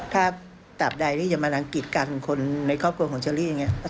ถ้าตราบใดที่จะมารังกิจกันคนในครอบครัวของเชอรี่อย่างนี้